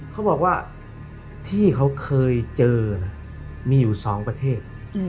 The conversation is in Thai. เขาบอกว่าที่เขาเคยเจอนะมีอยู่๒ประเทศ